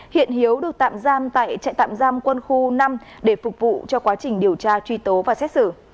hiện hiếu được tạm giam tại trại tạm giam quân khu năm để phục vụ cho quá trình điều tra truy tố và xét xử